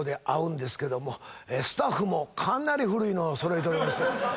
スタッフもかなり古いの揃えておりまして。